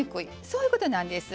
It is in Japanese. そういうことなんです。